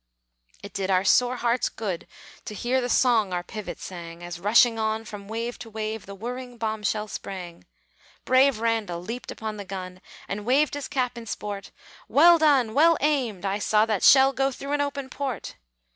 It did our sore hearts good to hear The song our pivot sang, As rushing on, from wave to wave, The whirring bomb shell sprang. Brave Randall leaped upon the gun, And waved his cap in sport; "Well done! well aimed! I saw that shell Go through an open port."